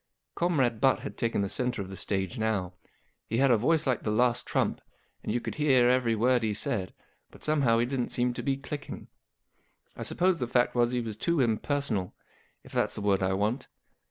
Comrade Butt had taken the centre of the stage now. He had a voice like the Last Trump, and you could hear every word he said, but somehow he didn't seem to be clicking. I suppose the fact was he was too impersonal, if that's the word I want.